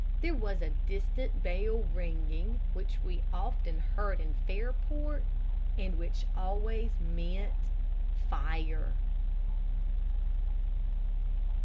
There was a distant bell ringing, which we often heard in Fairport, and which always meant fire.